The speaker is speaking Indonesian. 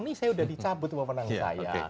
ini saya sudah dicabut wawanan saya